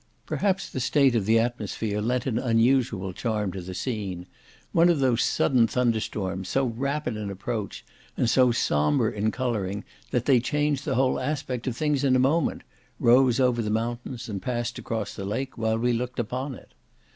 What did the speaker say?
Perhaps the state of the atmosphere lent an unusual charm to the scene; one of those sudden thunderstorms, so rapid in approach, and so sombre in colouring, that they change the whole aspect of things in a moment, rose over the mountains and passed across the lake while we looked upon it.